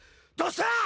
どうした！？